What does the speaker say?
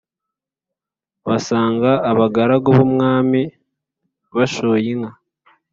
basanga abagaragu b’umwami bashoye inka,